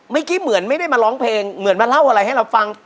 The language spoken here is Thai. เมื่อกี้เหมือนไม่ได้มาร้องเพลงเหมือนมาเล่าอะไรให้เราฟัง